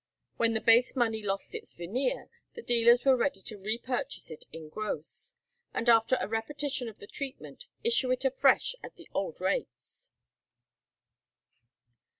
When the base money lost its veneer, the dealers were ready to repurchase it in gross, and after a repetition of the treatment, issue it afresh at the old rates.